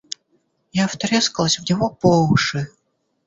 Я втрескалась в него по уши.